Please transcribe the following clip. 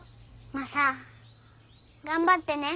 マサ頑張ってね。